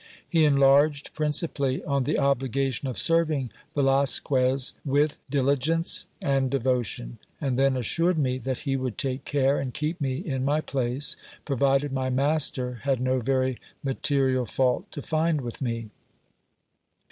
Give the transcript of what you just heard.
He enlarged principally on the obligation of serving Velasquez with diligence and devotion ; and then assured me that he would take care and keep me in my place, provided my master had no very material fault to find with me.